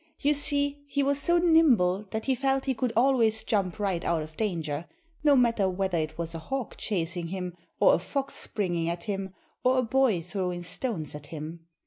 You see, he was so nimble that he felt he could always jump right out of danger no matter whether it was a hawk chasing him, or a fox springing at him, or a boy throwing stones at him.